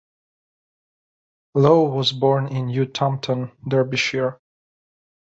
Lowe was born in New Tupton, Derbyshire.